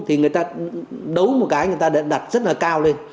thì người ta đấu một cái người ta đã đặt rất là cao lên